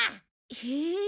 へえ。